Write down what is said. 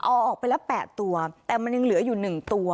ออกไปแล้วแปดตัวแต่มันยังเหลืออยู่หนึ่งตัว